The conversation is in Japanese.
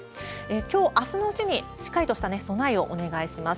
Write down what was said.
きょう、あすのうちに、しっかりとした備えをお願いします。